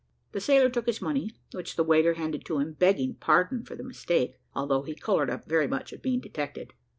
The sailor took his money, which the waiter handed to him, begging pardon for the mistake, although he coloured up very much at being detected.